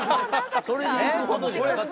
それでいくほどじゃない。